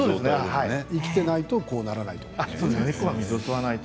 生きていないとこうならないんですね。